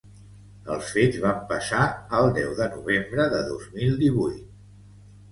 Els fets van passar el deu de novembre de dos mil divuit.